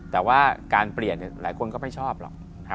แต่ว่าการเปลี่ยนหลายคนก็ไม่ชอบหรอก